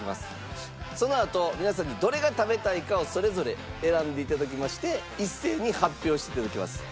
そのあと皆さんにどれが食べたいかをそれぞれ選んで頂きまして一斉に発表して頂きます。